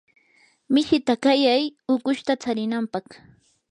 mishita qayay ukushta tsarinanpaq.